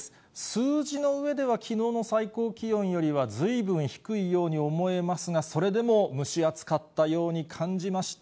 数字の上では、きのうの最高気温よりはずいぶん低いように思えますが、それでも蒸し暑かったように感じました。